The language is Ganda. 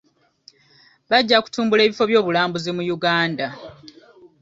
Bajja kutumbula ebifo byobulambuzi mu Uganda.